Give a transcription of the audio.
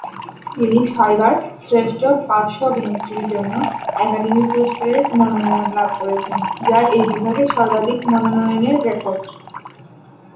তিনি ছয়বার শ্রেষ্ঠ পার্শ্ব অভিনেত্রীর জন্য একাডেমি পুরস্কারের মনোনয়ন লাভ করেছেন, যা এই বিভাগে সর্বাধিক মনোনয়নের রেকর্ড।